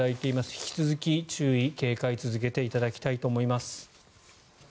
引き続き注意、警戒を続けていただきたいと思います。